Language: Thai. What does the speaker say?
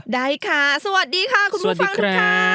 ได้ค่ะสวัสดีค่ะคุณผู้ฟังค่ะ